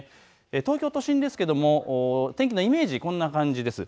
東京都心ですけれども天気のイメージ、こんな感じです。